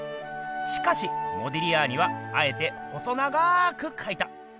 しかしモディリアーニはあえて細長くかいた。